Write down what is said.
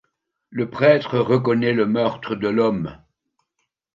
Le prêtre reconnaît le meurtre de l'homme.